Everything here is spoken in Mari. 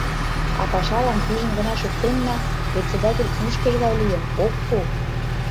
А пашалан пижын гына шуктенна, председатель ӱшкыж гай лийын, ок пу.